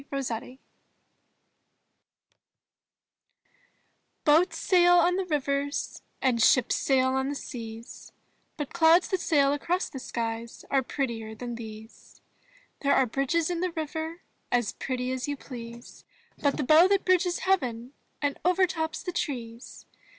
Rossetti Boats sail on the rivers, And ships sail on the seas, But clouds that sail across the skies Are prettier than these. There are bridges in the river As pretty as you please. But the bow that bridges heaven And overtops the trees.